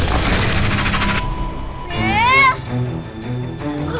bu bu bangun bu